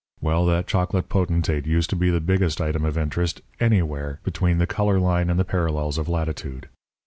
Well, that chocolate potentate used to be the biggest item of interest anywhere between the colour line and the parallels of latitude.